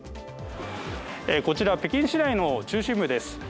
こちら北京市内の中心部です。